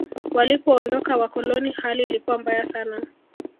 walipoondoka wakoloni hali ilikuwa mbaya sana